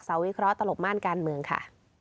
วิเคราะห์ตลบม่านการเมืองค่ะ